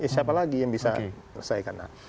siapa lagi yang bisa selesaikan